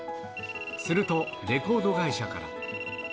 すると、レコード会社から。